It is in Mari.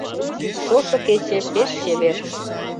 Шошо кече пеш чевер.